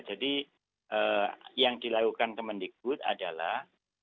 jadi yang dilakukan kmn dekut adalah